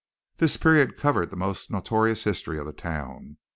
This period covered the most notorious history of the town.